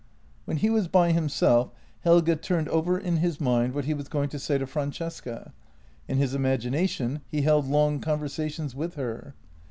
When he was by himself Helge turned over in his mind what he was going to say to Francesca — in his imagination he held long conversations with her.